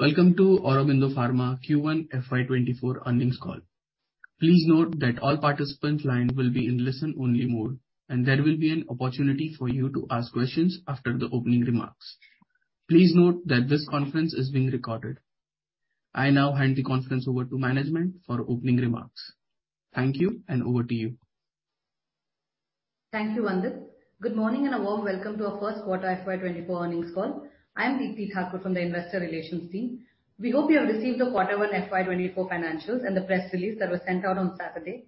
Welcome to Aurobindo Pharma Q1 FY 2024 earnings call. Please note that all participants line will be in listen-only mode. There will be an opportunity for you to ask questions after the opening remarks. Please note that this conference is being recorded. I now hand the conference over to management for opening remarks. Thank you. Over to you. Thank you, Vandit. Good morning. A warm welcome to our Q1 FY 2024 earnings call. I'm Deepti Thakur from the investor relations team. We hope you have received the Q1 FY 2024 financials and the press release that was sent out on Saturday.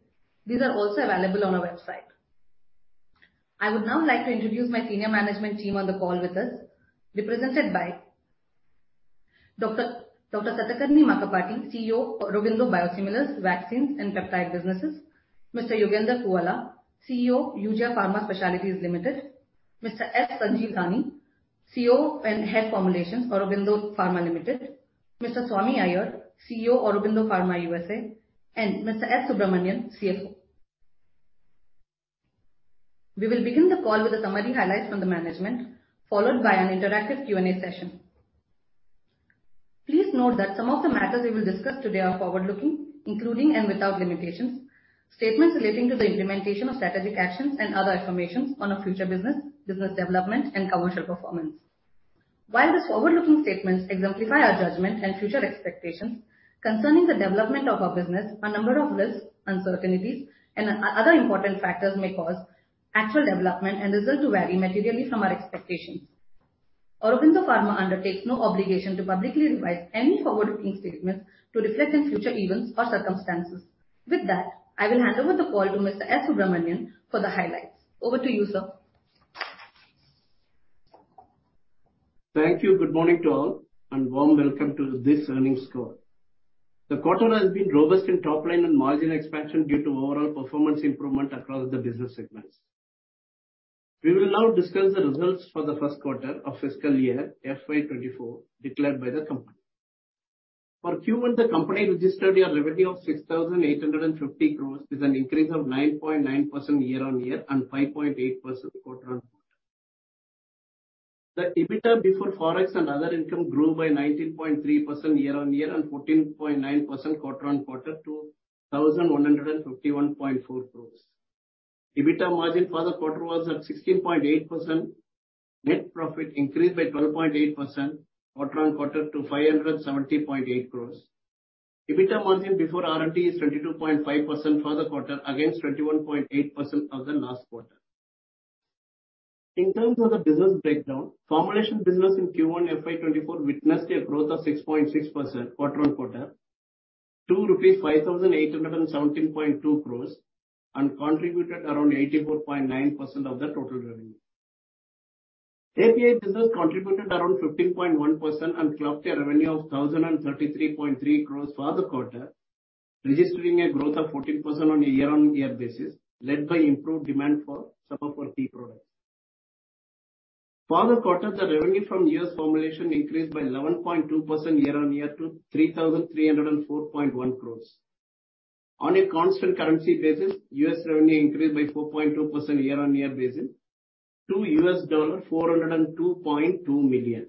These are also available on our website. I would now like to introduce my senior management team on the call with us, represented by Dr. Satakarni Makkapati, CEO, Aurobindo Biosimilars, Vaccines and Peptide Businesses; Mr. Yugandhar Puvvala, CEO, Eugia Pharma Specialties Limited; Mr. Sanjeev Dani, CEO and Head, Formulations, Aurobindo Pharma Limited; Mr. Swami Iyer, CEO, Aurobindo Pharma USA; and Mr. S. Subramanian, CFO. We will begin the call with the summary highlights from the management, followed by an interactive Q&A session. Please note that some of the matters we will discuss today are forward-looking, including, and without limitation, statements relating to the implementation of strategic actions and other affirmations on our future business, business development, and commercial performance. While these forward-looking statements exemplify our judgment and future expectations concerning the development of our business, a number of risks, uncertainties, and other important factors may cause actual development and results to vary materially from our expectations. Aurobindo Pharma undertakes no obligation to publicly revise any forward-looking statements to reflect in future events or circumstances. With that, I will hand over the call to Mr. S. Subramanian for the highlights. Over to you, sir. Thank you. Good morning to all, warm welcome to this earnings call. The quarter has been robust in top line and margin expansion due to overall performance improvement across the business segments. We will now discuss the results for the Q1 of fiscal year FY 2024, declared by the company. For Q1, the company registered a revenue of 6,850 crore, with an increase of 9.9% year-on-year and 5.8% quarter-on-quarter. The EBITDA before Forex and other income grew by 19.3% year-on-year and 14.9% quarter-on-quarter to 1,151.4 crore. EBITDA margin for the quarter was at 16.8%. Net profit increased by 12.8% quarter-on-quarter to 570.8 crore. EBITDA margin before R&D is 22.5% for the quarter, against 21.8% of the last quarter. In terms of the business breakdown, formulation business in Q1 FY 2024 witnessed a growth of 6.6% quarter-on-quarter to INR 5,817.2 crores and contributed around 84.9% of the total revenue. API business contributed around 15.1% and clocked a revenue of 1,033.3 crores for the quarter, registering a growth of 14% on a year-on-year basis, led by improved demand for support key products. For the quarter, the revenue from US formulation increased by 11.2% year-on-year to 3,304.1 crores. On a constant currency basis, US revenue increased by 4.2% year-on-year basis to $402.2 million.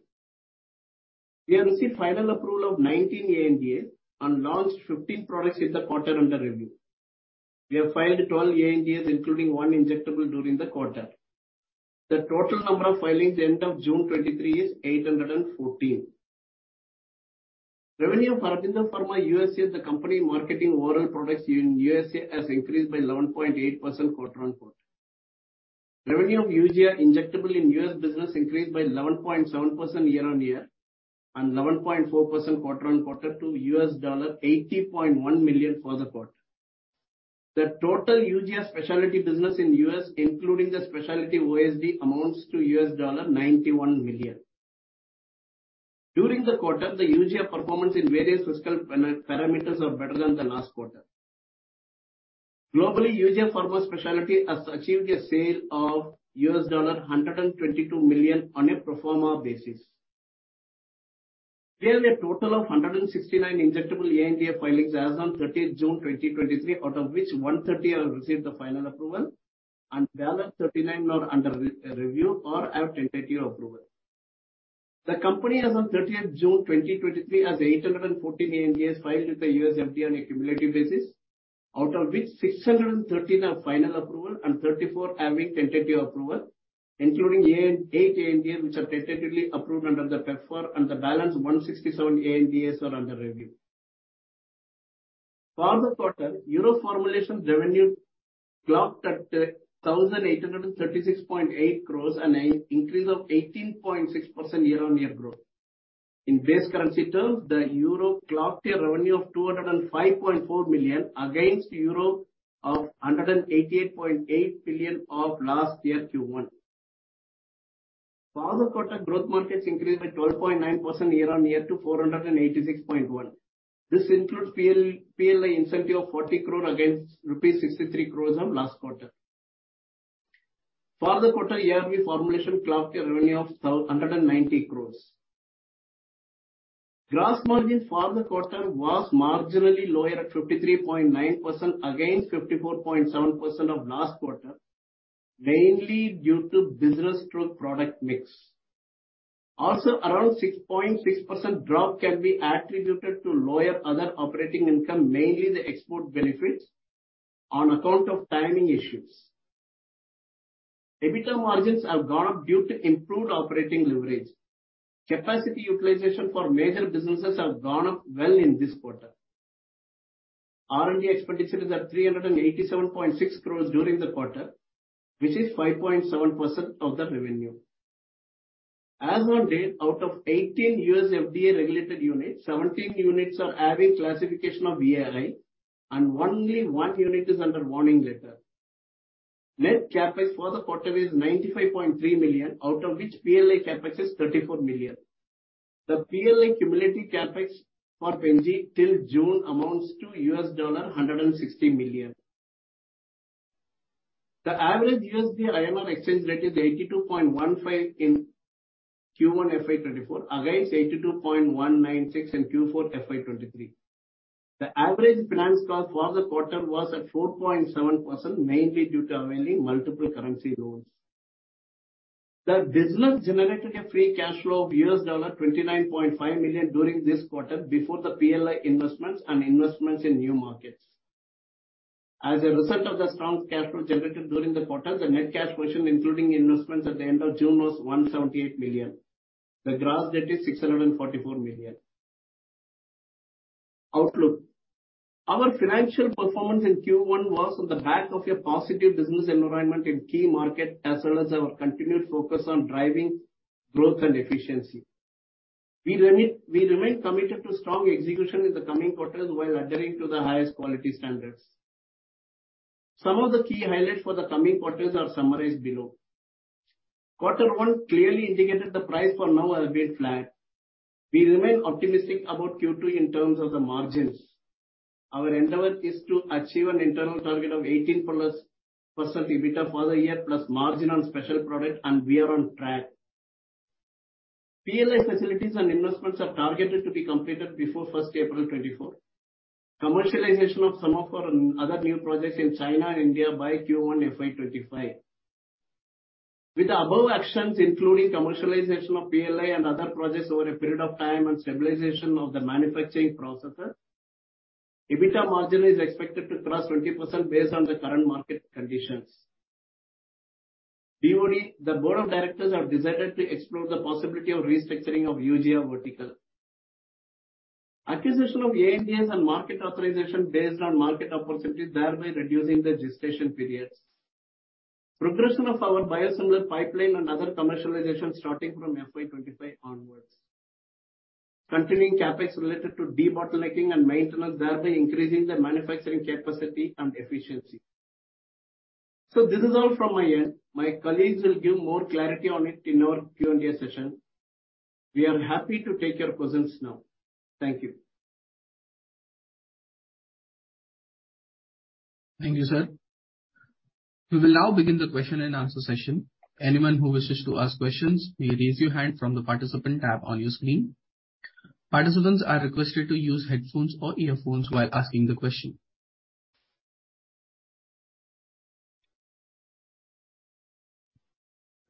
We have received final approval of 19 ANDAs and launched 15 products in the quarter under review. We have filed 12 ANDAs, including 1 injectable, during the quarter. The total number of filings at the end of June 2023 is 814. Revenue for Aurobindo Pharma USA, the company marketing oral products in USA, has increased by 11.8% quarter-on-quarter. Revenue of Eugia Injectable in US business increased by 11.7% year-on-year and 11.4% quarter-on-quarter to $80.1 million for the quarter. The total Eugia Specialty business in US, including the Specialty OSD, amounts to $91 million. During the quarter, the Eugia performance in various fiscal parameters are better than the last quarter. Globally, Eugia Pharma Specialties has achieved a sale of $122 million on a pro forma basis. We have a total of 169 injectable ANDA filings as on 30th June 2023, out of which 130 have received the final approval, and the other 39 are under review or have tentative approval. The company, as on 30th June 2023, has 814 ANDAs filed with the USFDA on a cumulative basis, out of which 613 have final approval and 34 having tentative approval, including 8 ANDAs, which are tentatively approved under the PEPFAR, and the balance 167 ANDAs are under review. For the quarter, Euro Formulations revenue clocked at 1,836.8 crore, an increase of 18.6% year-on-year growth. In base currency terms, the EUR clocked a revenue of 205.4 million euro, against 188.8 billion euro of last year Q1. For the quarter, growth markets increased by 12.9% year-on-year to 486.1. This includes PLI incentive of 40 crore against rupees 63 crore of last quarter. For the quarter, ARV Formulation clocked a revenue of 190 crore. Gross Margin for the quarter was marginally lower at 53.9% against 54.7% of last quarter. mainly due to business through product mix. Around 6.6% drop can be attributed to lower other operating income, mainly the export benefits on account of timing issues. EBITDA margins have gone up due to improved operating leverage. Capacity utilization for major businesses have gone up well in this quarter. R&D expenditures are 387.6 crore during the quarter, which is 5.7% of the revenue. As on date, out of 18 US FDA regulated units, 17 units are having classification of VAI, and only 1 unit is under warning letter. Net CapEx for the quarter is $95.3 million, out of which PLI CapEx is $34 million. The PLI cumulative CapEx for Pen-G till June amounts to $160 million. The average USD INR exchange rate is 82.15 in Q1 FY24, against 82.196 in Q4 FY23. The average finance cost for the quarter was at 4.7%, mainly due to having multiple currency loans. The business generated a free cash flow of $29.5 million during this quarter, before the PLI investments and investments in new markets. As a result of the strong cash flow generated during the quarter, the net cash position, including investments at the end of June, was $178 million. The gross debt is $644 million. Outlook. Our financial performance in Q1 was on the back of a positive business environment in key market, as well as our continued focus on driving growth and efficiency. We remain committed to strong execution in the coming quarters, while adhering to the highest quality standards. Some of the key highlights for the coming quarters are summarized below. Quarter one clearly indicated the price for now a bit flat. We remain optimistic about Q2 in terms of the margins. Our endeavor is to achieve an internal target of 18+% EBITDA for the year, plus margin on special product. We are on track. PLI facilities and investments are targeted to be completed before 1st April 2024. Commercialization of some of our other new projects in China and India by Q1 FY 2025. With the above actions, including commercialization of PLI and other projects over a period of time and stabilization of the manufacturing processes, EBITDA margin is expected to cross 20% based on the current market conditions. BoD, the board of directors, have decided to explore the possibility of restructuring of Eugia vertical. Acquisition of ANDAs and market authorization based on market opportunities, thereby reducing the registration periods. Progression of our biosimilar pipeline and other commercialization starting from FY 25 onwards. Continuing CapEx related to debottlenecking and maintenance, thereby increasing the manufacturing capacity and efficiency. This is all from my end. My colleagues will give more clarity on it in our Q&A session. We are happy to take your questions now. Thank you. Thank you, sir. We will now begin the question and answer session. Anyone who wishes to ask questions, please raise your hand from the participant tab on your screen. Participants are requested to use headphones or earphones while asking the question.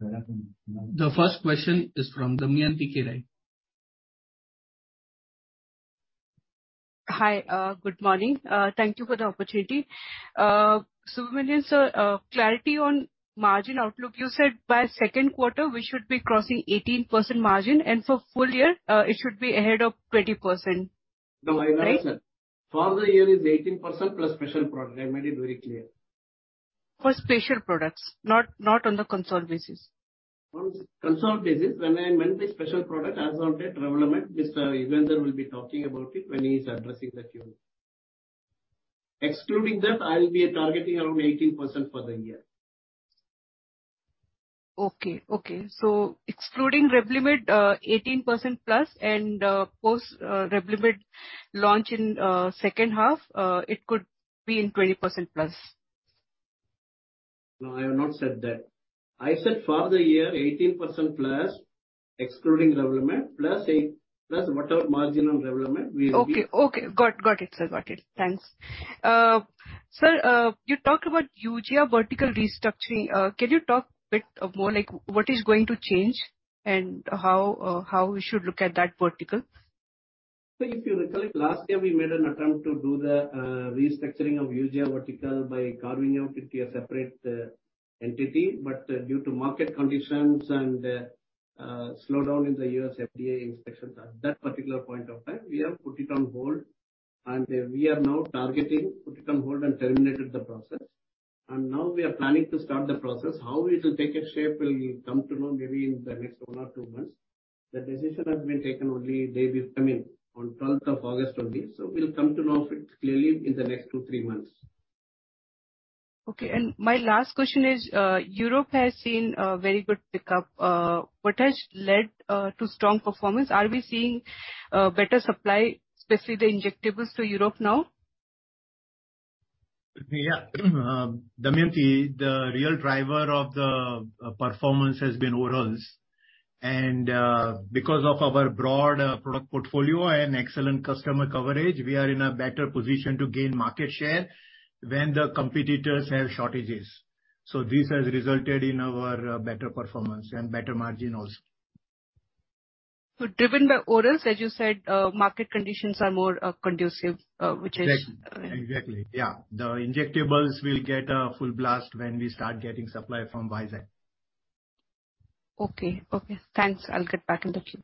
The first question is from Damayanti Kerai. Hi, good morning. Thank you for the opportunity. Subra, sir, clarity on margin outlook. You said by Q2, we should be crossing 18% margin, and for full year, it should be ahead of 20%, right? No, I never said. For the year is 18% plus special product. I made it very clear. For special products, not, not on the console basis. Console basis, when I meant the special product, as of date, Revlimid, Mr. Yugandhar will be talking about it when he's addressing the queue. Excluding that, I will be targeting around 18% for the year. Okay, okay. Excluding Revlimid, 18%+ and, post, Revlimid launch in, second half, it could be in 20%+? No, I have not said that. I said for the year, 18% plus, excluding Revlimid, plus whatever margin on Revlimid, we will be- Okay, okay. Got, got it, sir. Got it. Thanks. Sir, you talked about Eugia vertical restructuring. Can you talk bit of more, like, what is going to change and how, how we should look at that vertical? If you recall, last year we made an attempt to do the restructuring of Eugia vertical by carving out it to a separate entity, due to market conditions and slowdown in the US FDA inspections at that particular point of time, we have put it on hold. we are now targeting, put it on hold and terminated the process. Now we are planning to start the process. How it will take a shape, we'll come to know maybe in the next one or two months. The decision has been taken only day before, I mean, on 12th of August only, we'll come to know it clearly in the next two, three months. Okay, my last question is, Europe has seen a very good pickup. What has led to strong performance? Are we seeing better supply, especially the injectables to Europe now? Yeah. Damayanti, the real driver of the performance has been orals. Because of our broad product portfolio and excellent customer coverage, we are in a better position to gain market share when the competitors have shortages. This has resulted in our better performance and better margin also. driven by orals, as you said, market conditions are more conducive, which is. Exactly. Exactly, yeah. The injectables will get a full blast when we start getting supply from Pfizer. Okay. Okay, thanks. I'll get back in the queue.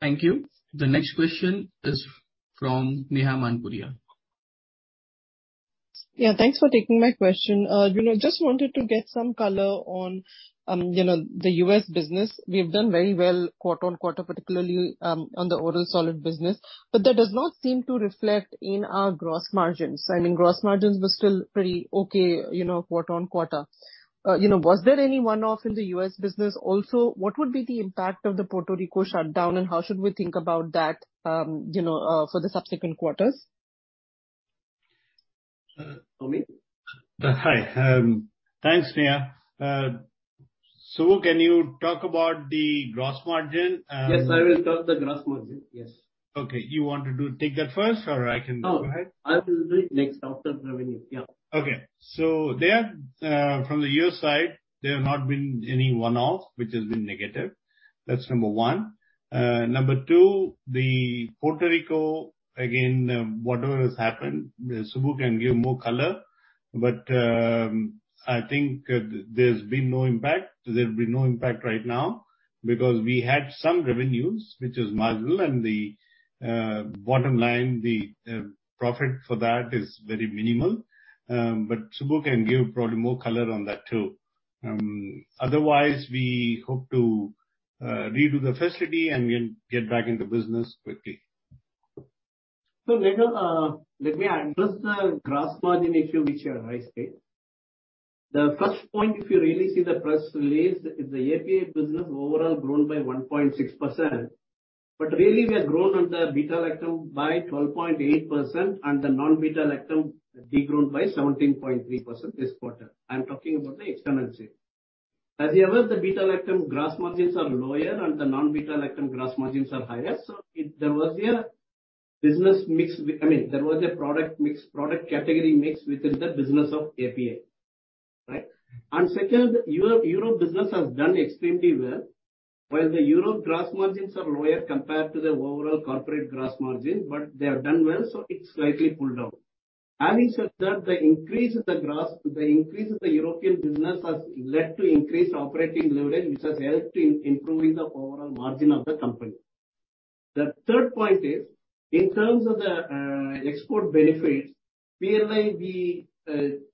Thank you. The next question is from Neha Manpuria. Yeah, thanks for taking my question. you know, just wanted to get some color on, you know, the US business. We have done very well quarter-on-quarter, particularly, on the oral solid business, but that does not seem to reflect in our Gross Margins. I mean, Gross Margins were still pretty okay, you know, quarter-on-quarter. you know, was there any one-off in the US business? Also, what would be the impact of the Puerto Rico shutdown, and how should we think about that, you know, for the subsequent quarters? Swami? Hi. Thanks, Neha. Subra, can you talk about the Gross Margin? Yes, I will talk the Gross Margin. Yes. Okay. You want to take that first, or I can go ahead? No, I will do it next, after revenue. Yeah. There, from the US side, there have not been any one-off, which has been negative. That's number one. Number two, the Puerto Rico, again, whatever has happened, Subra can give more color, but, I think there's been no impact. There'll be no impact right now, because we had some revenues, which is marginal, and the bottom line, the profit for that is very minimal. Subra can give probably more color on that, too. Otherwise, we hope to redo the facility, and we'll get back into business quickly. Neha, let me address the Gross Margin issue which you have raised here. The first point, if you really see the press release, is the API business overall grown by 1.6%, but really we have grown on the beta-lactam by 12.8%, and the non-beta-lactam degrown by 17.3% this quarter. I'm talking about the external sales. As ever, the beta-lactam Gross Margins are lower, and the non-beta-lactam Gross Margins are higher. It, there was a business mix, I mean, there was a product mix, product category mix within the business of API, right? Second, Europe, Europe business has done extremely well. While the Europe Gross Margins are lower compared to the overall corporate Gross Margins, but they have done well, so it's slightly pulled down. Having said that, the increase of the gross, the increase of the European business has led to increased operating leverage, which has helped in improving the overall margin of the company. The third point is, in terms of the export benefits, clearly, we,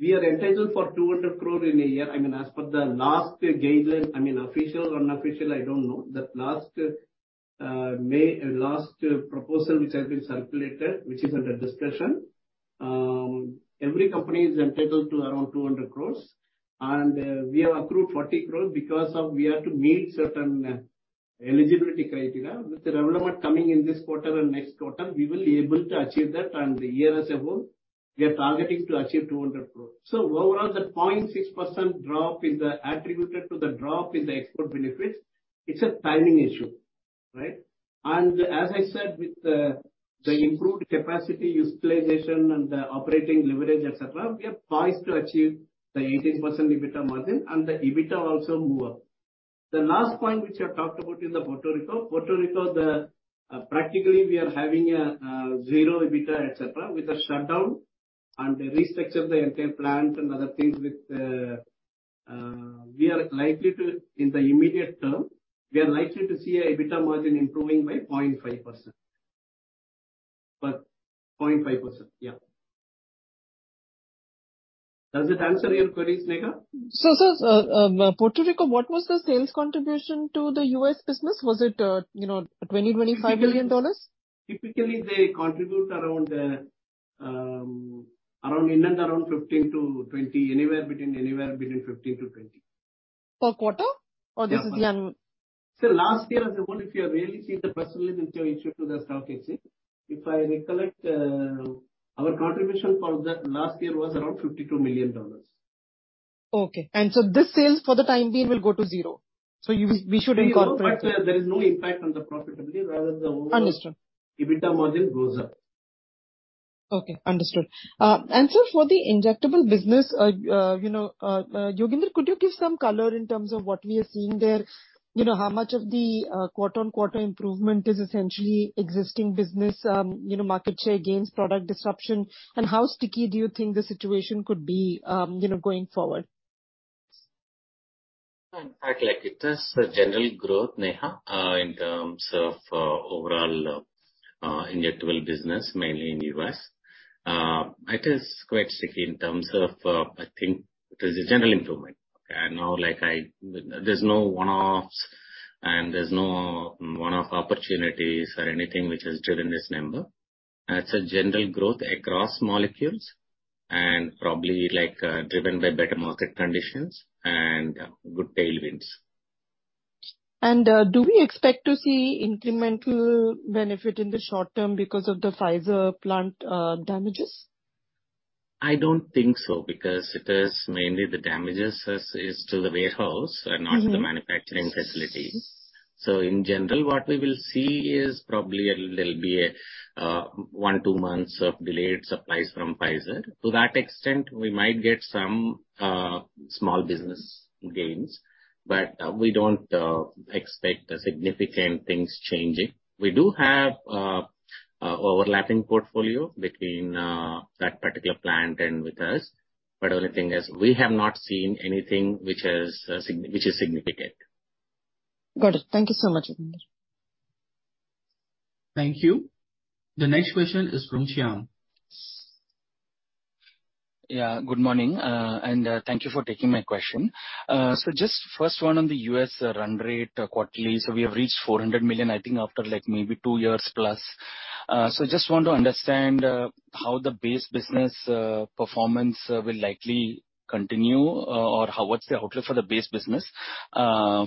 we are entitled for 200 crore in a year. I mean, as per the last guideline, I mean, official or unofficial, I don't know, the last May, and last proposal, which has been circulated, which is under discussion. Every company is entitled to around 200 crore, and we have accrued 40 crore because of we have to meet certain eligibility criteria. With the enrollment coming in this quarter and next quarter, we will be able to achieve that, and the year as a whole, we are targeting to achieve 200 crore. Overall, the 0.6% drop is attributed to the drop in the export benefits. It's a timing issue, right? As I said, with the, the improved capacity utilization and the operating leverage, et cetera, we are poised to achieve the 18% EBITDA margin, and the EBITDA also move up. The last point, which you have talked about, is the Puerto Rico. Puerto Rico, the, practically we are having a, zero EBITDA, et cetera, with a shutdown and restructure the entire plant and other things with the. We are likely to, in the immediate term, we are likely to see a EBITDA margin improving by 0.5%. By 0.5%, yeah. Does it answer your queries, Neha? Puerto Rico, what was the sales contribution to the US business? Was it, you know, $20 million-$25 million? Typically, they contribute around, around, in and around 15%-20%, anywhere between, anywhere between 15%-20%. Per quarter? Yeah. This is the annual. Last year as a whole, if you have really seen the press release which we issued to the stock exchange, if I recollect, our contribution for the last year was around $52 million. Okay. This sales for the time being will go to 0. We should incorporate that. There is no impact on the profitability, rather the overall- Understood. EBITDA margin goes up. Okay, understood. So for the injectable business, you know, Yugandhar, could you give some color in terms of what we are seeing there? You know, how much of the quarter-on-quarter improvement is essentially existing business, you know, market share gains, product disruption, and how sticky do you think the situation could be, you know, going forward? In fact, like, it is a general growth, Neha, in terms of, overall, injectable business, mainly in US. It is quite sticky in terms of, I think there's a general improvement. Now, like there's no one-offs, and there's no one-off opportunities or anything which has driven this number. It's a general growth across molecules, and probably, like, driven by better market conditions and good tailwinds. Do we expect to see incremental benefit in the short term because of the Pfizer plant damages? I don't think so, because it is mainly the damages as is to the warehouse- Mm-hmm.... and not to the manufacturing facility. In general, what we will see is probably a, there'll be a one, two months of delayed supplies from Pfizer. That extent, we might get some small business gains, but we don't expect significant things changing. We do have overlapping portfolio between that particular plant and with us, only thing is we have not seen anything which is significant. Got it. Thank you so much. Thank you. The next question is from Shyam. Yeah, good morning, and thank you for taking my question. Just first one on the US run rate quarterly, so we have reached $400 million, I think, after, like, maybe 2+ years. Just want to understand how the base business performance will likely continue, or how what's the outlook for the base business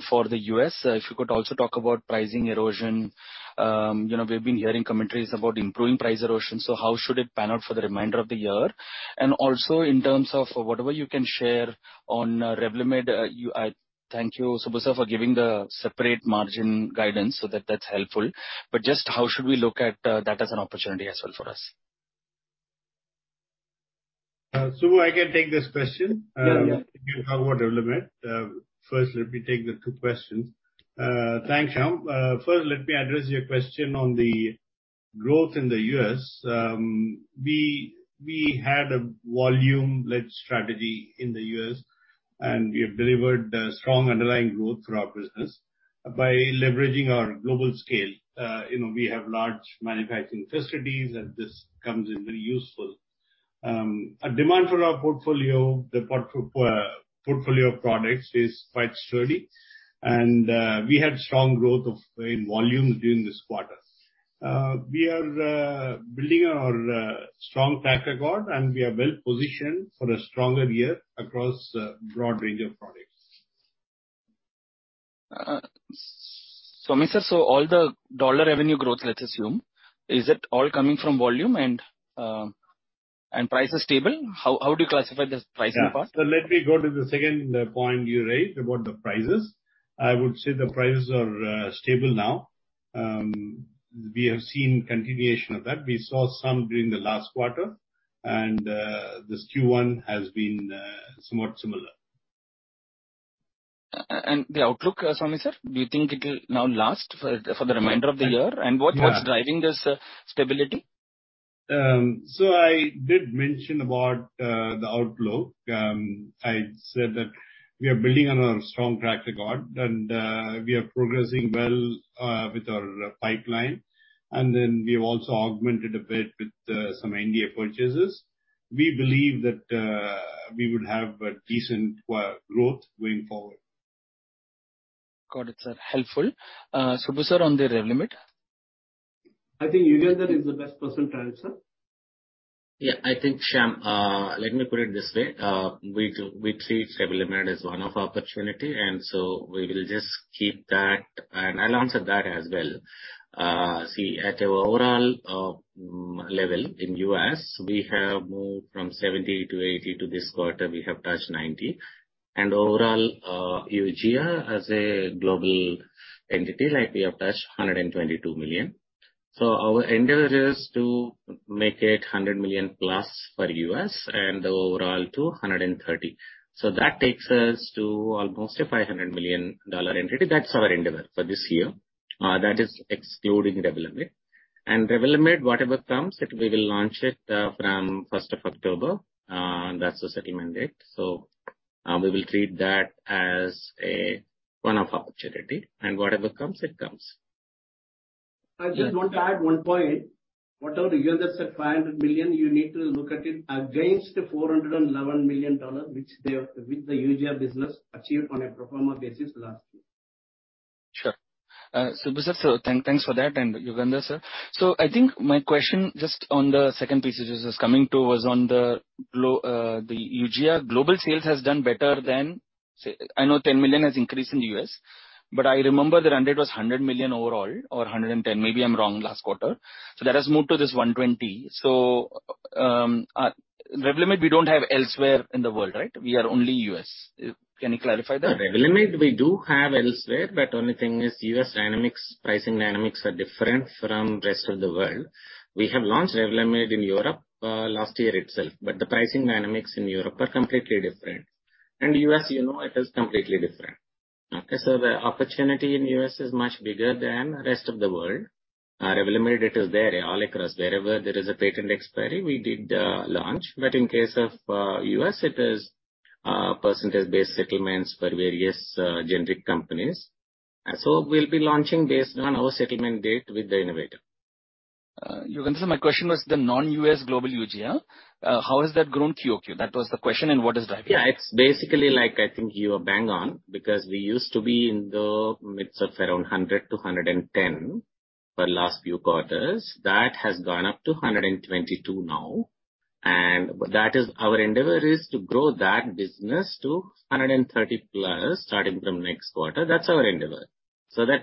for the US? If you could also talk about pricing erosion. You know, we've been hearing commentaries about improving price erosion, so how should it pan out for the remainder of the year? Also, in terms of whatever you can share on Revlimid, you I thank you, Subra, sir, for giving the separate margin guidance, so that, that's helpful. Just how should we look at that as an opportunity as well for us? Subra, I can take this question. Yeah, yeah. If you talk about Revlimid. First, let me take the two questions. Thanks, Shyam. First, let me address your question on the growth in the US. We, we had a volume-led strategy in the US, and we have delivered strong underlying growth through our business by leveraging our global scale. You know, we have large manufacturing facilities, and this comes in very useful. A demand for our portfolio, the portfolio of products is quite sturdy, and we had strong growth of, in volumes during this quarter. We are building our strong track record, and we are well positioned for a stronger year across a broad range of products. Swami, sir, all the dollar revenue growth, let's assume, is it all coming from volume and price is stable? How, how do you classify this pricing part? Yeah. Let me go to the second point you raised about the prices. I would say the prices are stable now. We have seen continuation of that. We saw some during the last quarter, and this Q1 has been somewhat similar. The outlook, Swami sir, do you think it'll now last for the, for the remainder of the year? Yeah. What, what's driving this, stability? I did mention about the outlook. I said that we are building on a strong track record, and we are progressing well with our pipeline. We have also augmented a bit with some NDA purchases. We believe that we would have a decent growth going forward. Got it, sir. Helpful. Subra sir, on the Revlimid? I think Yugandhar is the best person to answer. Yeah, I think, Shyam, let me put it this way, we do, we treat Revlimid as one of opportunity, and so we will just keep that, and I'll answer that as well. See, at our overall level in US, we have moved from 70-80 to this quarter, we have touched 90. Overall, Eugia as a global entity, like, we have touched $122 million. Our endeavor is to make it $100 million+ for US and overall to $130 million. That takes us to almost a $500 million entity. That's our endeavor for this year. That is excluding Revlimid. Revlimid, whatever comes, it, we will launch it from October 1, that's the settlement date. We will treat that as a one-off opportunity, and whatever comes, it comes. I just want to add 1 point. Whatever Yugandhar said, $500 million, you need to look at it against the $411 million dollars, which the, which the Eugia business achieved on a pro forma basis last year. Sure. Subra sir, thank-thanks for that, and Yugandhar sir. I think my question, just on the second piece which is coming to, was on the glo- the Eugia. Global sales has done better than, say, I know $10 million has increased in the US, but I remember the run rate was $100 million overall, or $110 million, maybe I'm wrong, last quarter. That has moved to this $120 million. Revlimid, we don't have elsewhere in the world, right? We are only US. Can you clarify that? Revlimid, we do have elsewhere, but only thing is US dynamics, pricing dynamics are different from rest of the world. We have launched Revlimid in Europe last year itself, but the pricing dynamics in Europe are completely different. US, you know, it is completely different. The opportunity in US is much bigger than rest of the world. Revlimid, it is there all across. Wherever there is a patent expiry, we did launch, but in case of US, it is percentage-based settlements for various generic companies. We'll be launching based on our settlement date with the innovator. Yugandhar, my question was the non-US global Eugia. How has that grown QOQ? That was the question, and what is driving it? Yeah, it's basically like, I think you are bang on, because we used to be in the midst of around $100 million-$110 million for last few quarters. That has gone up to $122 million now. Our endeavor is to grow that business to $130+ million, starting from next quarter. That's our endeavor.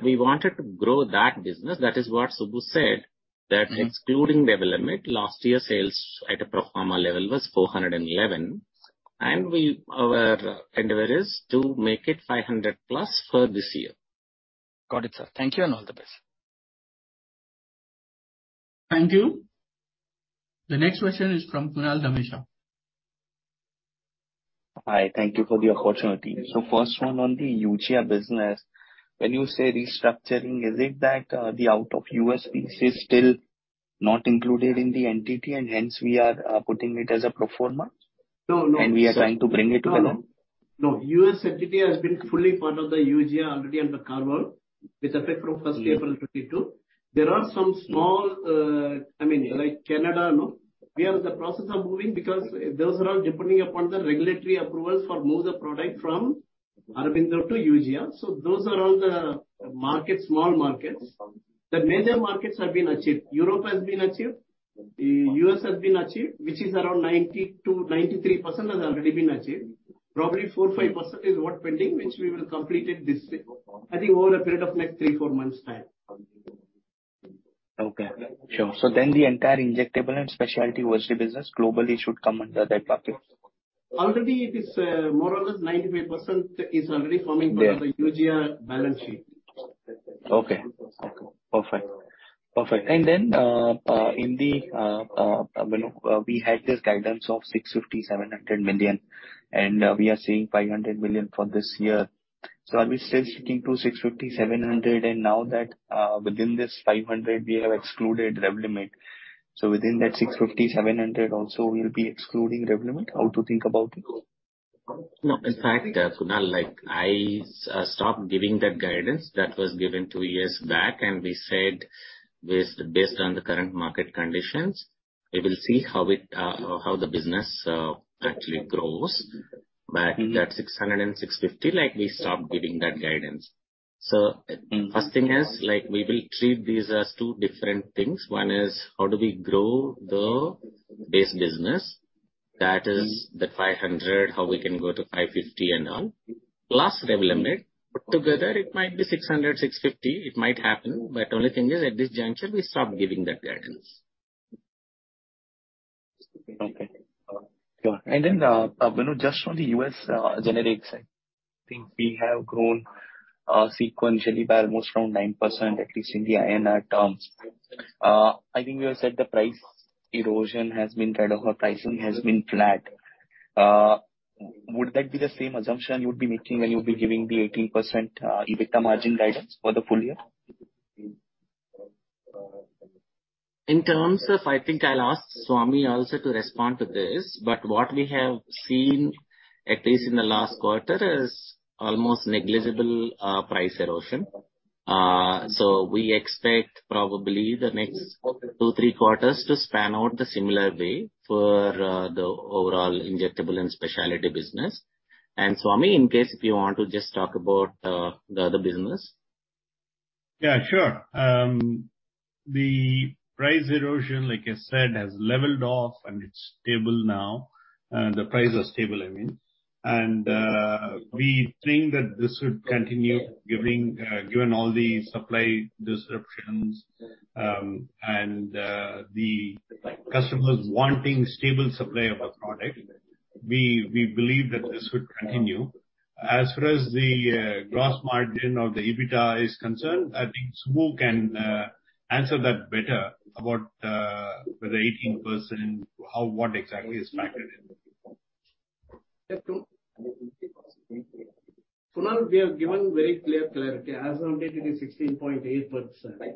We wanted to grow that business, that is what Subra said, that excluding Revlimid, last year sales at a pro forma level was $411 million. We, our endeavor is to make it $500+ million for this year. Got it, sir. Thank you, and all the best. Thank you. The next question is from Kunal Dhamesha. Hi, thank you for the opportunity. First one on the Eugia business. When you say restructuring, is it that the out of U.S. business is still not included in the entity, and hence we are putting it as a pro forma? No, no. We are trying to bring it to the law. No, U.S. entity has been fully part of the Eugia already under Carver, with effect from April 1, 2022. There are some small, I mean, like Canada, no, we are in the process of moving because those are all depending upon the regulatory approvals for move the product from Aurobindo to Eugia. Those are all the markets, small markets. The major markets have been achieved. Europe has been achieved, the U.S. has been achieved, which is around 90%-93% has already been achieved. Probably 4%, 5% is what pending, which we will complete it this, I think, over a period of next 3, 4 months time. Okay, sure. The entire injectable and specialty business globally should come under that bucket? Already it is, more or less 98% is already coming- Yeah. under the Eugia balance sheet. Okay. Okay, perfect. Perfect. You know, we had this guidance of $650 million-$700 million, and, we are saying $500 million for this year. Are we still sticking to $650 million-$700 million, and now that, within this $500 million we have excluded Revlimid, so within that $650 million-$700 million also we'll be excluding Revlimid? How to think about it? No, in fact, Kunal, like, I stopped giving that guidance that was given 2 years back, and we said this, based on the current market conditions, we will see how it, how the business, actually grows. Mm-hmm. That 600 crore-650 crore, like, we stopped giving that guidance. Mm-hmm. first thing is, like, we will treat these as two different things. One is, how do we grow the base business? Mm-hmm. That is the 500, how we can go to 550 and on, plus Revlimid. Together, it might be 600, 650, it might happen, but only thing is, at this juncture, we stopped giving that guidance. Okay. Sure. Then, you know, just on the US generic side, I think we have grown sequentially by almost around 9%, at least in the INR terms. I think you have said the price erosion has been trade off or pricing has been flat. Would that be the same assumption you would be making when you'll be giving the 18% EBITDA margin guidance for the full year? In terms of... I think I'll ask Swami also to respond to this, but what we have seen, at least in the last quarter, is almost negligible, price erosion. We expect probably the next two, three quarters to span out the similar way for the overall injectable and specialty business. Swami, in case if you want to just talk about the other business. Yeah, sure. The price erosion, like I said, has leveled off and it's stable now, the price are stable, I mean. We think that this would continue giving, given all the supply disruptions, and the customers wanting stable supply of our product, we, we believe that this would continue. As far as the Gross Margin or the EBITDA is concerned, I think Subra can answer that better about whether 18%, or what exactly is factored in. Yes, sure. Kunal, we have given very clear clarity. As on date, it is 16.8%. Right.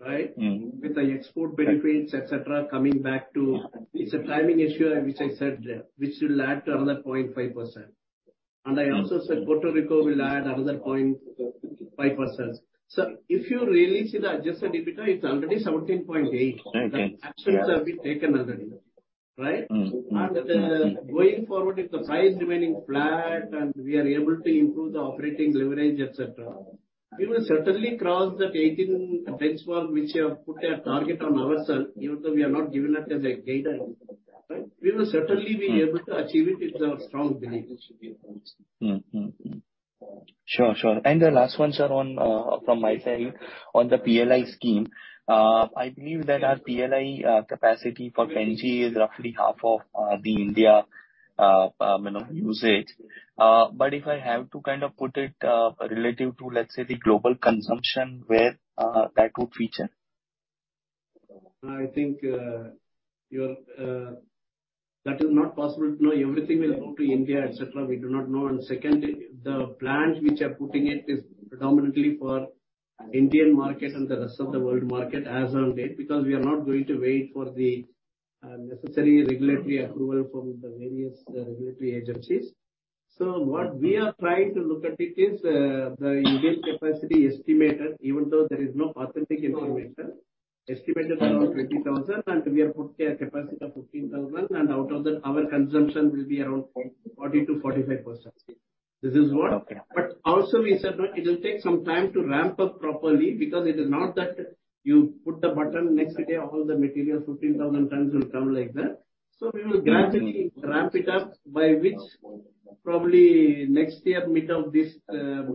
Right? Mm-hmm. With the export benefits, et cetera, coming back to, it's a timing issue, which I said, which will add to another 0.5%. Mm-hmm. I also said Puerto Rico will add another 0.5%. If you really see the adjusted EBITDA, it's already 17.8%. Thank you. Actions have been taken already, right? Mm-hmm. Going forward, if the price remaining flat and we are able to improve the operating leverage, et cetera, we will certainly cross that 18 benchmark which we have put a target on ourself, even though we have not given it as a guidance, right? We will certainly. Mm. be able to achieve it. It's our strong belief. Sure, sure. The last one, sir, from my side, on the PLI scheme. I believe that our PLI capacity for Pen-G is roughly half of the India, you know, usage. If I have to kind of put it relative to, let's say, the global consumption, where that would feature? I think, That is not possible to know. Everything will go to India, et cetera, we do not know. Secondly, the plant which are putting it is predominantly for Indian market and the rest of the world market as on date, because we are not going to wait for the necessary regulatory approval from the various regulatory agencies. What we are trying to look at it is the Indian capacity estimated, even though there is no authentic information, estimated around 20,000, and we have put a capacity of 15,000, and out of that, our consumption will be around 40%-45%. This is what- Okay. Also we said, it will take some time to ramp up properly, because it is not that you put the button, next day, all the material, 15,000 tons, will come like that. We will gradually ramp it up, by which probably next year, mid of this,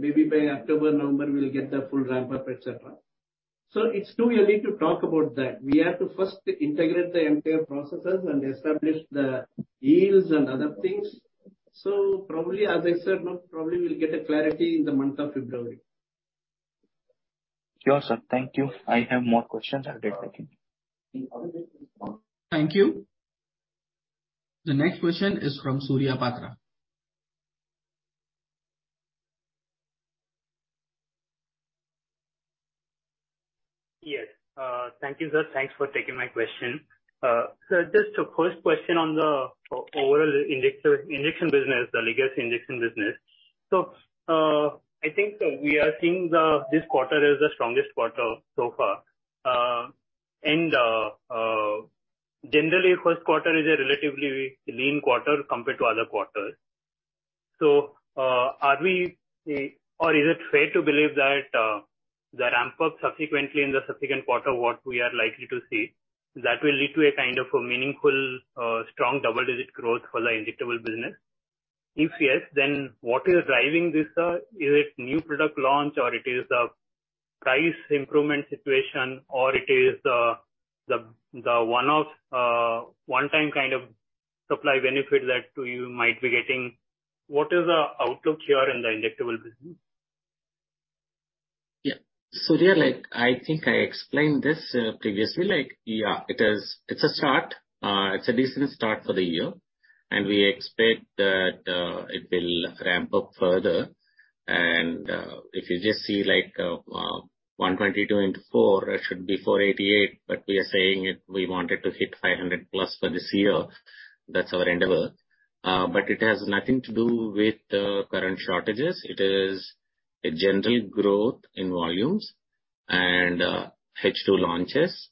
maybe by October, November, we'll get the full ramp up, et cetera. It's too early to talk about that. We have to first integrate the entire processes and establish the yields and other things. Probably, as I said, probably we'll get a clarity in the month of February. Sure, sir. Thank you. I have more questions. I'll get back in. Thank you. The next question is from Surya Patra. Yes, thank you, sir. Thanks for taking my question. Just the first question on the overall injector, injection business, the legacy injection business. I think we are seeing the, this quarter is the strongest quarter so far. And generally, Q1 is a relatively lean quarter compared to other quarters. Are we or is it fair to believe that the ramp-up subsequently in the subsequent quarter, what we are likely to see, that will lead to a kind of a meaningful, strong double-digit growth for the injectable business? If yes, what is driving this, sir? Is it new product launch, or it is a price improvement situation, or it is the, the one-off, one-time kind of supply benefit that you might be getting? What is the outlook here in the injectable business? Yeah. So here, like, I think I explained this previously, like, yeah, it is, it's a start, it's a decent start for the year, we expect that it will ramp up further. If you just see, like, 122 into 4, it should be 488, but we are saying it, we wanted to hit 500+ for this year. That's our endeavor. But it has nothing to do with the current shortages. It is a general growth in volumes and H2 launches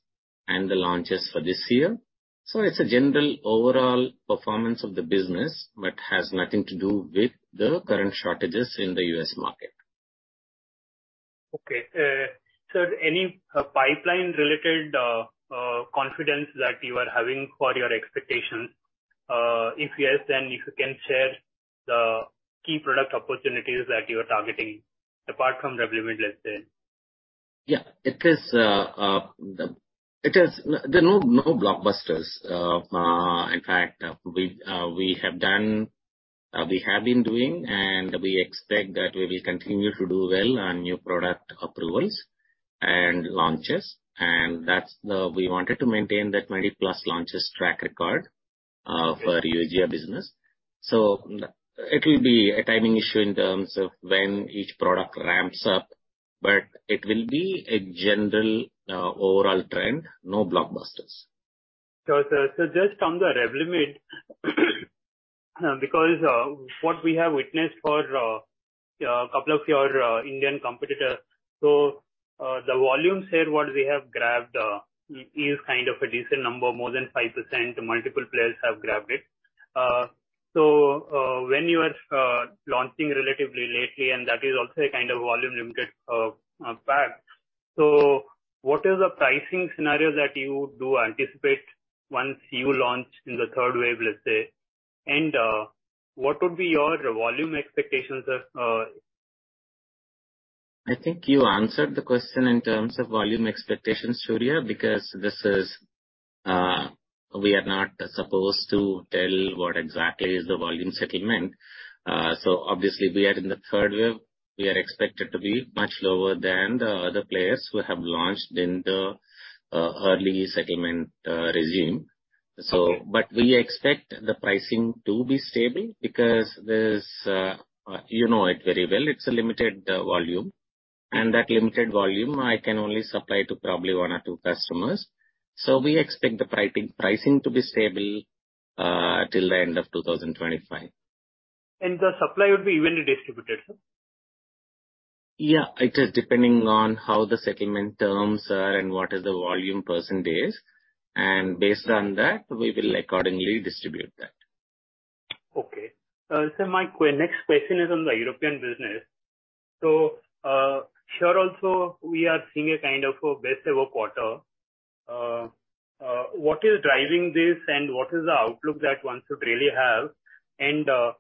and the launches for this year. It's a general overall performance of the business, but has nothing to do with the current shortages in the US market. Any pipeline-related confidence that you are having for your expectations? If yes, then if you can share the key product opportunities that you are targeting, apart from the Revlimid, let's say? Yeah. It is, it is, there are no, no blockbusters. In fact, we, we have done, we have been doing, and we expect that we will continue to do well on new product approvals and launches. We wanted to maintain that 20-plus launches track record for Eugia business. It will be a timing issue in terms of when each product ramps up, but it will be a general, overall trend, no blockbusters. Got it. Just on the Revlimid, because what we have witnessed for a couple of your Indian competitors, so the volume share, what we have grabbed, is kind of a decent number, more than 5%, multiple players have grabbed it. When you are launching relatively lately, and that is also a kind of volume-limited fact, so what is the pricing scenario that you do anticipate once you launch in the third wave, let's say? And what would be your volume expectations. I think you answered the question in terms of volume expectations, Surya, because this is, we are not supposed to tell what exactly is the volume settlement. Obviously, we are in the third wave. We are expected to be much lower than the other players who have launched in the early settlement, regime. Okay. But we expect the pricing to be stable because there's, you know it very well, it's a limited volume, and that limited volume I can only supply to probably one or two customers. We expect the pricing to be stable till the end of 2025. The supply would be evenly distributed, sir? Yeah, it is depending on how the settlement terms are and what is the volume percentage, and based on that, we will accordingly distribute that. Okay. My next question is on the European business. Here also, we are seeing a kind of a best ever quarter. What is driving this, and what is the outlook that one should really have? Here,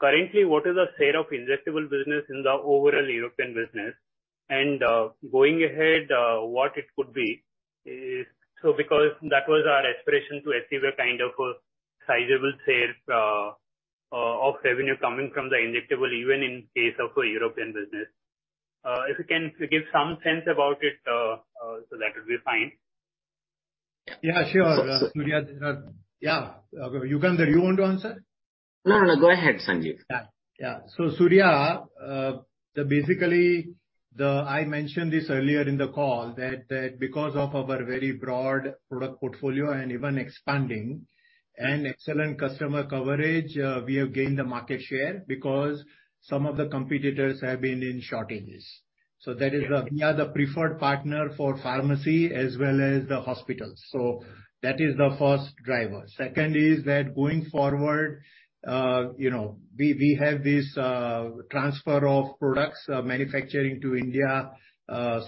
currently, what is the state of injectable business in the overall European business? Going ahead, what it could be, because that was our aspiration to achieve a kind of a sizable sales of revenue coming from the injectable, even in case of a European business. If you can give some sense about it, that would be fine. Yeah, sure. Surya. Yeah. Yugandhar, you want to answer? No, no, go ahead, Sanjeev. Yeah, yeah. Surya, basically, I mentioned this earlier in the call, that, that because of our very broad product portfolio and even expanding and excellent customer coverage, we have gained the market share because some of the competitors have been in shortages. Yeah. That is the, we are the preferred partner for pharmacy as well as the hospitals, so that is the first driver. Second is that going forward, you know, we, we have this, transfer of products, manufacturing to India,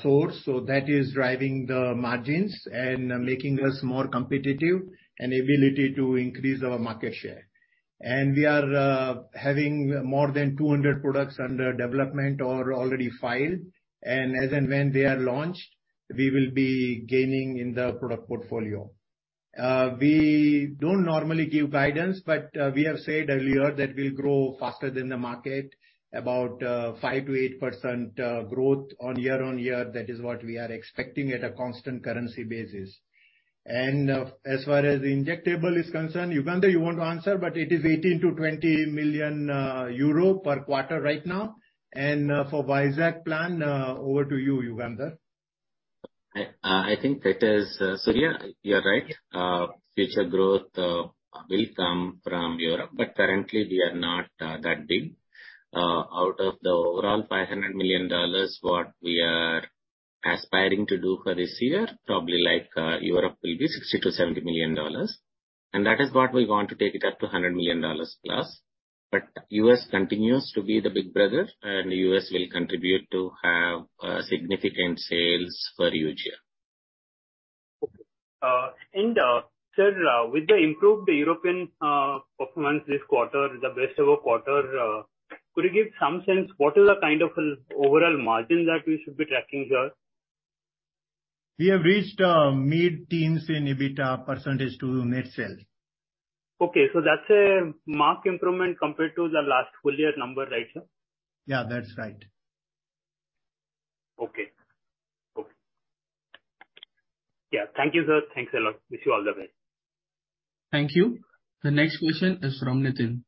source, so that is driving the margins and making us more competitive and ability to increase our market share. we are having more than 200 products under development or already filed. And as and when they are launched, we will be gaining in the product portfolio. We don't normally give guidance, but we have said earlier that we'll grow faster than the market, about 5%-8% growth on year-on-year. That is what we are expecting at a constant currency basis. As far as the injectable is concerned, Yugandhar, you want to answer, but it is 18 million-20 million euro per quarter right now. For Visak plan, over to you, Yugandhar. I think that is. Yeah, you're right. Future growth will come from Europe, but currently we are not that big. Out of the overall $500 million, what we are aspiring to do for this year, probably like Europe will be $60 million-$70 million, and that is what we want to take it up to $100 million+. US continues to be the big brother, and US will contribute to have significant sales for Eugia. Sir, with the improved European performance this quarter, the best ever quarter, could you give some sense, what is the kind of overall margin that we should be tracking here? We have reached mid-teens in EBITDA % to net sales. Okay, that's a mark improvement compared to the last full year number, right, sir? Yeah, that's right. Okay. Okay. Yeah, thank you, sir. Thanks a lot. Wish you all the best. Thank you. The next question is from Nitin.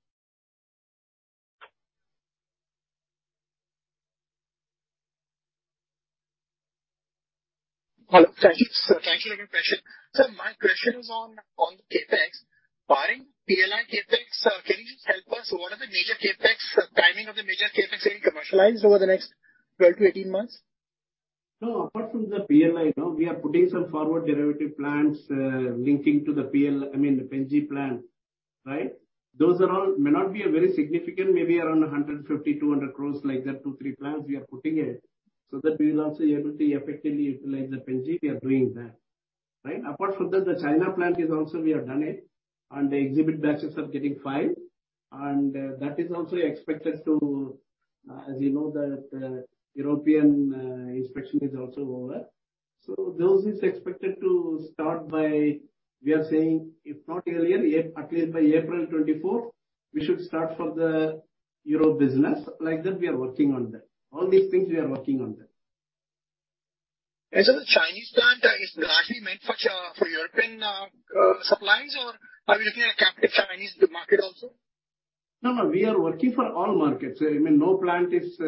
Hello. Thank you, sir. Thank you for your question. Sir, my question is on, on the CapEx. Barring PLI CapEx, can you just help us, what are the major CapEx, timing of the major CapEx getting commercialized over the next 12 to 18 months? No, apart from the PLI, no, we are putting some forward derivative plans, linking to the PL- I mean, the Pen-G plant, right? Those are all, may not be a very significant, maybe around 150 crore-200 crore, like that, two, three plants we are putting it, so that we will also be able to effectively utilize the Pen-G, we are doing that, right? Apart from that, the China plant is also we have done it, and the exhibit batches are getting filed, and that is also expected to, as you know, the, the European inspection is also over. Those is expected to start by, we are saying, if not earlier, at least by April 24th, we should start for the Europe business. Like that, we are working on that. All these things, we are working on that. The Chinese plant is largely made for for European supplies, or are we looking at capital Chinese market also? No, no, we are working for all markets. I mean, no plant is.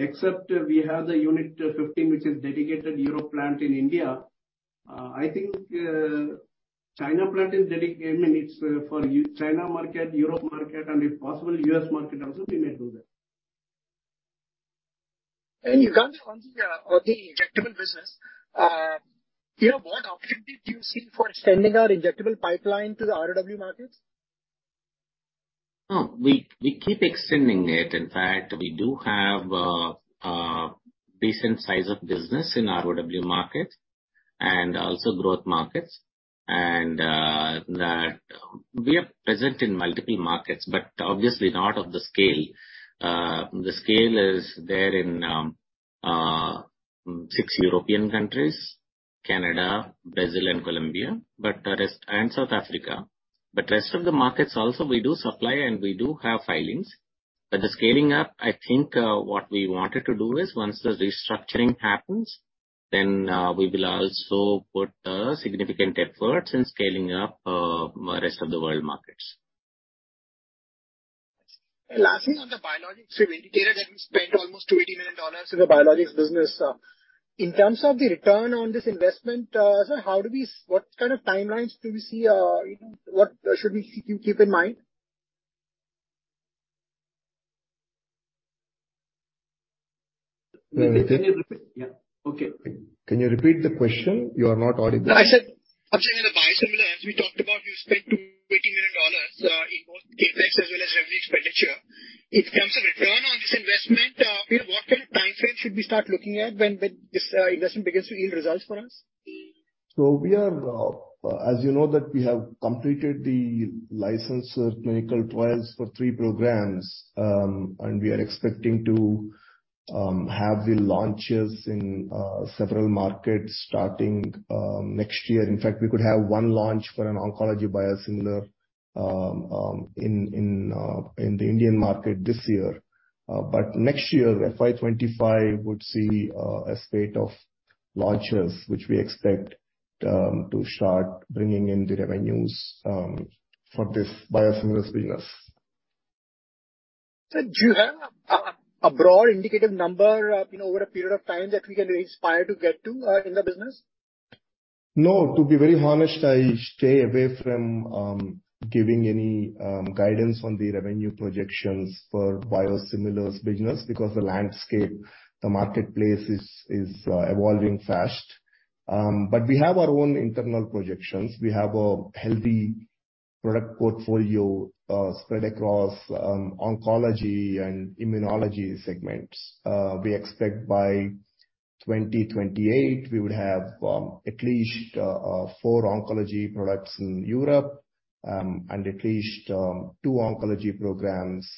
Except we have the unit 15, which is dedicated Europe plant in India. I think, China plant is dedic- I mean, it's for China market, Europe market, and if possible, US market also, we may do that. Yugandhar, on the, on the injectable business, you know, what opportunity do you see for extending our injectable pipeline to the ROW markets? Oh, we, we keep extending it. In fact, we do have a decent size of business in ROW markets and also growth markets. That we are present in multiple markets, but obviously not of the scale. The scale is there in six European countries, Canada, Brazil, and Colombia, but the rest- and South Africa, but rest of the markets also, we do supply, and we do have filings. The scaling up, I think, what we wanted to do is, once the restructuring happens, then we will also put significant efforts in scaling up rest of the world markets. Lastly, on the biologics, you've indicated that you spent almost $280 million in the biologics business. In terms of the return on this investment, sir, how do we-- what kind of timelines do we see, you know, what should we keep, keep in mind? Can you repeat? Yeah. Okay. Can you repeat the question? You are not audible. I said, observing the biosimilar, as we talked about, you spent $280 million, in both CapEx as well as revenue expenditure. In terms of return on this investment, what kind of time frame should we start looking at when, when this, investment begins to yield results for us? We are, as you know that we have completed the licensed clinical trials for 3 programs, and we are expecting to have the launches in several markets starting next year. In fact, we could have 1 launch for an oncology biosimilar in the Indian market this year. Next year, FY 2025, would see a spate of launches, which we expect to start bringing in the revenues for this biosimilars business. Sir, do you have a broad indicative number, you know, over a period of time that we can aspire to get to in the business? To be very honest, I stay away from giving any guidance on the revenue projections for biosimilars business because the landscape, the marketplace is, is evolving fast. We have our own internal projections. We have a healthy product portfolio spread across oncology and immunology segments. We expect.... 2028, we would have, at least 4 oncology products in Europe, and at least 2 oncology programs,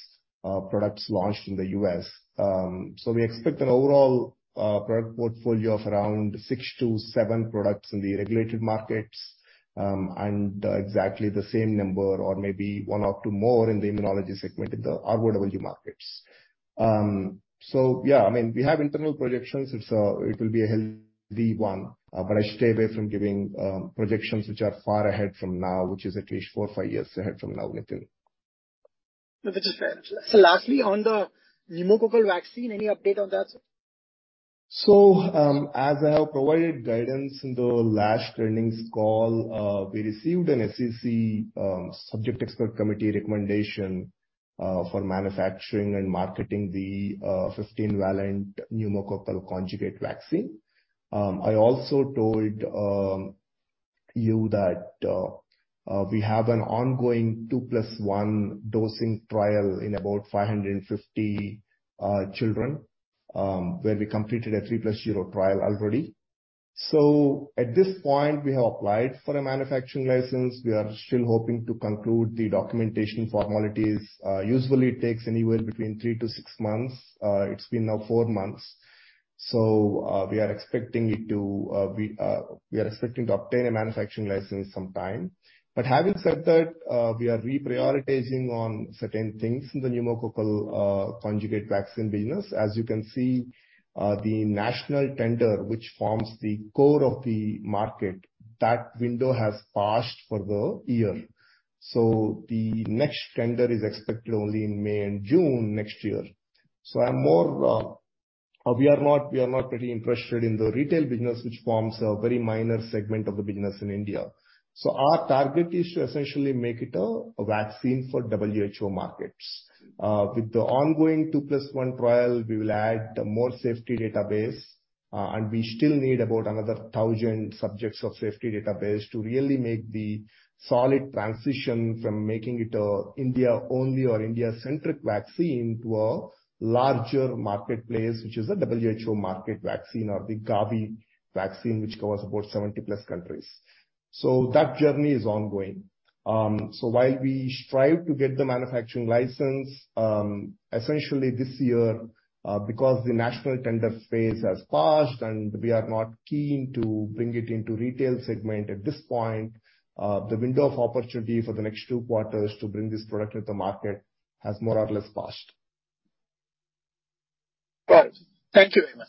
products launched in the US. We expect an overall product portfolio of around 6-7 products in the regulated markets, and exactly the same number or maybe 1 or 2 more in the immunology segment in the ROW markets. Yeah, I mean, we have internal projections. It's, it will be a healthy one, but I stay away from giving projections which are far ahead from now, which is at least 4, 5 years ahead from now, Nithin. No, that is fair. Lastly, on the pneumococcal vaccine, any update on that, sir? As I have provided guidance in the last earnings call, we received a CDSCO SEC recommendation for manufacturing and marketing the 15 valent pneumococcal conjugate vaccine. I also told you that we have an ongoing 2+1 dosing trial in about 550 children, where we completed a 3+0 trial already. At this point, we have applied for a manufacturing license. We are still hoping to conclude the documentation formalities. Usually it takes anywhere between 3-6 months. It's been now 4 months, so we are expecting to obtain a manufacturing license sometime. But having said that, we are reprioritizing on certain things in the pneumococcal conjugate vaccine business. As you can see, the national tender, which forms the core of the market, that window has passed for the year. The next tender is expected only in May and June next year. I'm more, we are not, we are not pretty interested in the retail business, which forms a very minor segment of the business in India. Our target is to essentially make it a vaccine for WHO markets. With the ongoing 2 plus 1 trial, we will add more safety database, and we still need about another 1,000 subjects of safety database to really make the solid transition from making it a India-only or India-centric vaccine to a larger marketplace, which is a WHO market vaccine or the Gavi vaccine, which covers about 70 plus countries. That journey is ongoing. While we strive to get the manufacturing license, essentially this year, because the national tender phase has passed and we are not keen to bring it into retail segment at this point, the window of opportunity for the next 2 quarters to bring this product to the market has more or less passed. Right. Thank you very much.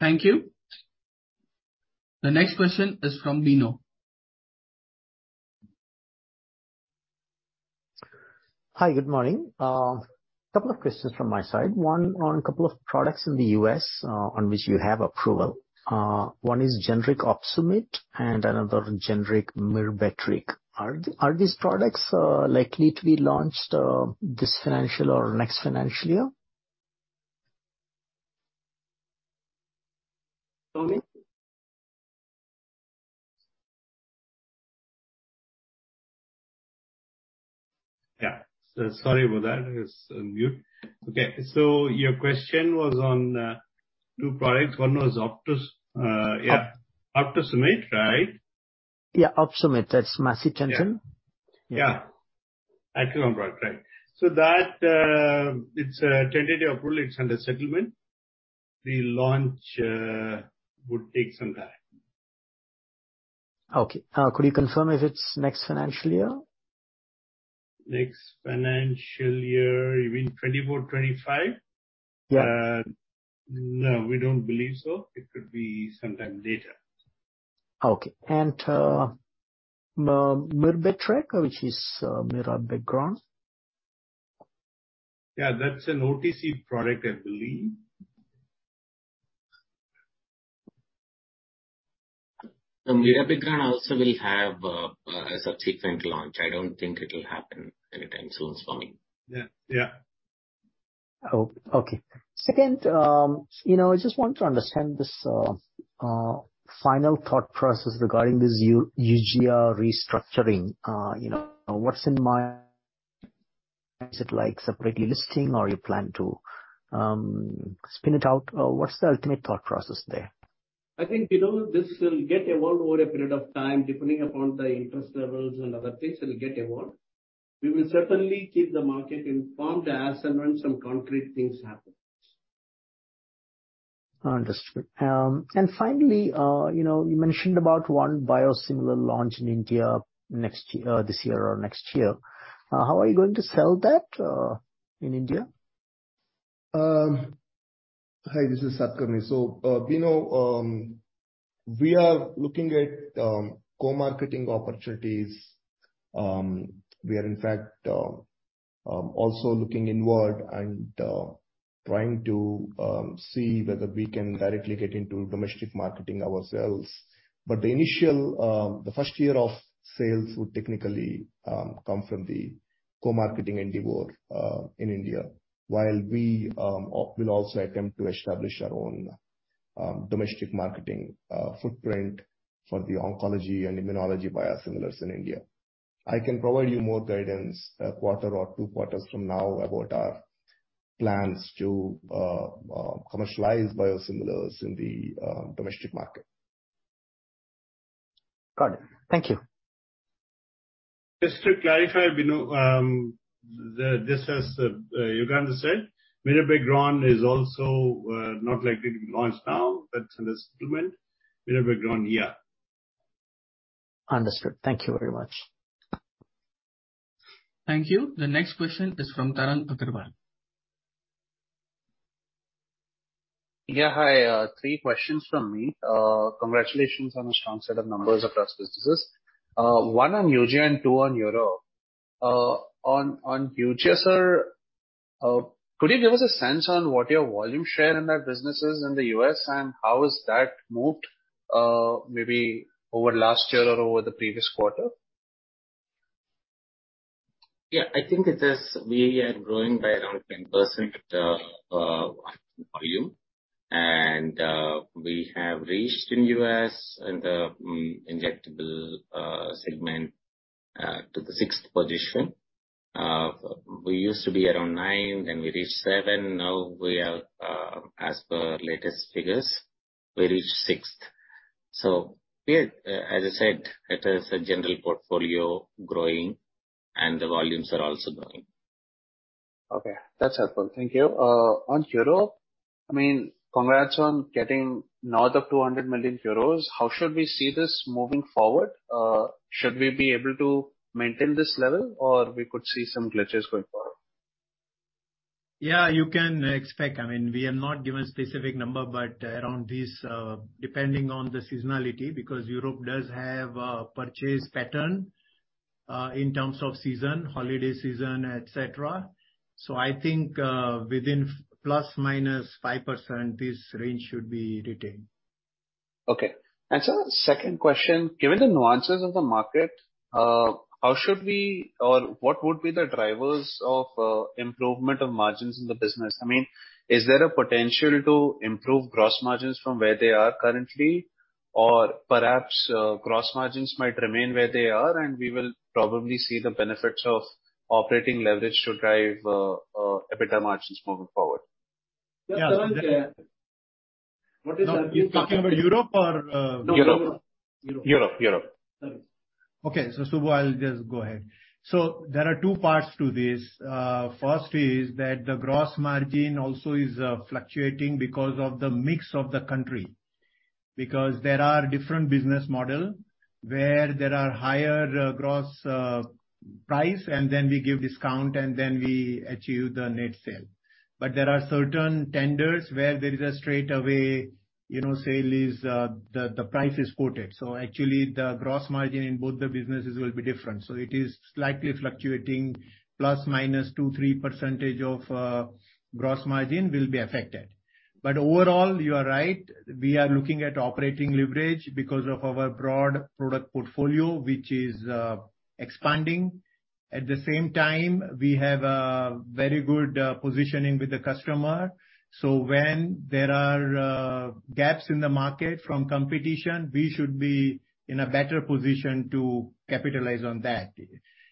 Thank you. The next question is from Bino. Hi, good morning. Couple of questions from my side. One, on a couple of products in the US, on which you have approval. One is generic Opsumit and another generic Myrbetriq. Are these products likely to be launched this financial or next financial year? Swami? Yeah. Sorry about that. I was on mute. Okay, your question was on two products. One was Opsumit. Yeah. Opsumit, right? Yeah, Opsumit, that's macitentan. Yeah. Yeah, actual product, right. That, it's a tentative approval, it's under settlement. The launch, would take some time. Okay. Could you confirm if it's next financial year? Next financial year, you mean 2024/2025? Yeah. No, we don't believe so. It could be sometime later. Okay. Myrbetriq, which is, mirabegron? Yeah, that's an OTC product, I believe. The Mirabegron also will have a subsequent launch. I don't think it will happen anytime soon, Soumen. Yeah. Yeah. Oh, okay. Second, you know, I just want to understand this final thought process regarding this Eugia restructuring. You know, what's in mind, is it like separately listing or you plan to spin it out, or what's the ultimate thought process there? I think, Bino, this will get evolved over a period of time, depending upon the interest levels and other things, it will get evolved. We will certainly keep the market informed as and when some concrete things happen. Understood. Finally, you know, you mentioned about 1 biosimilar launch in India next year, this year or next year. How are you going to sell that, in India? Hi, this is Satakarni. Bino, we are looking at co-marketing opportunities. We are in fact also looking inward and trying to see whether we can directly get into domestic marketing ourselves. But the initial, the first year of sales would technically come from the co-marketing endeavor in India, while we will also attempt to establish our own domestic marketing footprint for the oncology and immunology biosimilars in India. I can provide you more guidance a quarter or 2 quarters from now about our plans to commercialize biosimilars in the domestic market. Got it. Thank you. Just to clarify, Bino, this, as Yugandhar said, mirabegron is also not likely to be launched now. That's in the settlement, mirabegron, yeah. Understood. Thank you very much. Thank you. The next question is from Tarang Agrawal. Yeah, hi. Three questions from me. Congratulations on a strong set of numbers across businesses. One on Eugia, two on Europe. On, on Eugia, sir, could you give us a sense on what your volume share in that business is in the US, and how has that moved, maybe over last year or over the previous quarter? Yeah, I think it is we are growing by around 10% volume. We have reached in US, in the injectable segment, to the 6th position. We used to be around nine, then we reached seven, now we are, as per latest figures, we reached 6th. We are, as I said, it is a general portfolio growing and the volumes are also growing. Okay. That's helpful. Thank you. On Europe, I mean, congrats on getting north of 200 million euros. How should we see this moving forward? Should we be able to maintain this level, or we could see some glitches going forward? Yeah, you can expect, I mean, we have not given a specific number, but around this, depending on the seasonality, because Europe does have a purchase pattern, in terms of season, holiday season, et cetera. I think, within ±5%, this range should be retained. Okay. The second question, given the nuances of the market, how should we or what would be the drivers of improvement of margins in the business? I mean, is there a potential to improve Gross Margins from where they are currently? Perhaps, Gross Margins might remain where they are, and we will probably see the benefits of operating leverage to drive EBITDA margins moving forward. Yeah, Taran, what is that? You're talking about Europe or? Europe. Europe, Europe. Sorry. Okay. Subra, I'll just go ahead. There are two parts to this. First is that the Gross Margin also is fluctuating because of the mix of the country. There are different business model, where there are higher gross price, and then we give discount, and then we achieve the net sale. There are certain tenders where there is a straightaway, you know, sale is the price is quoted. Actually, the Gross Margin both the businesses will be different. It is slightly fluctuating, ±2-3% of Gross Margin will be affected. Overall, you are right. We are looking at operating leverage because of our broad product portfolio, which is expanding. At the same time, we have a very good positioning with the customer. When there are gaps in the market from competition, we should be in a better position to capitalize on that.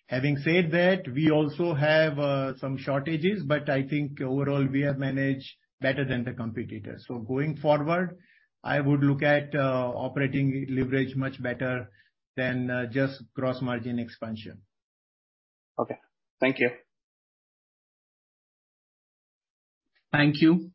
Having said that, we also have some shortages, but I think overall we have managed better than the competitors. Going forward, I would look at operating leverage much better than just Gross Margin expansion. Okay. Thank you. Thank you.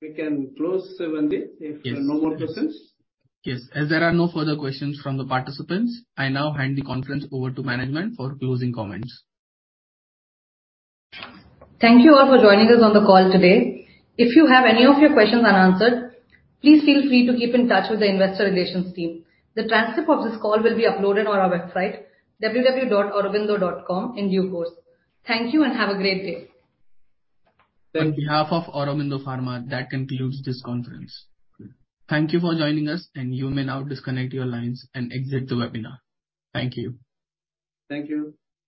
We can close, Sanjeev. Yes. If there are no more questions. Yes. As there are no further questions from the participants, I now hand the conference over to management for closing comments. Thank you all for joining us on the call today. If you have any of your questions unanswered, please feel free to keep in touch with the Investor Relations team. The transcript of this call will be uploaded on our website, www.aurobindo.com, in due course. Thank you and have a great day. On behalf of Aurobindo Pharma, that concludes this conference. Thank you for joining us, and you may now disconnect your lines and exit the webinar. Thank you. Thank you.